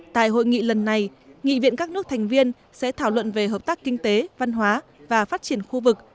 tại hội nghị lần này nghị viện các nước thành viên sẽ thảo luận về hợp tác kinh tế văn hóa và phát triển khu vực